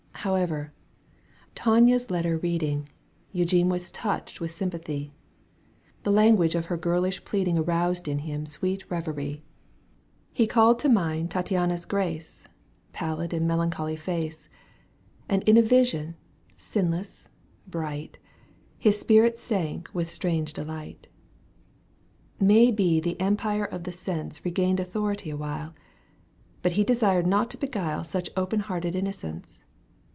However, Tania's letter reading, t Eugene was touched with sympathy ; The language of her girlish pleading Aroused in him sweet reverie. Digitized by CjOOQ 1С 102 EUGENE OinEGUINR оаято iv. He called to mind Tattiana's grace, Pallid and melancholy face, And in a vision, sinless, bright. His spirit sank with strange delight. May be the empire of the sense Eegained authority awhile. But he desired not to beguile Such open hearted innocence.